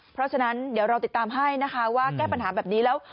เพราะฉะนั้นเดี๋ยวเราติดตามให้นะคะว่าแก้ปัญหาแบบนี้แล้ว